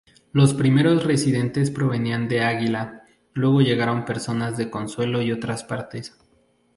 Los primeros residentes provenían de Águila Luego llegaron personas de consuelo y otras partes.